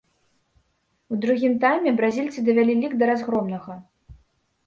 У другім тайме бразільцы давялі лік да разгромнага.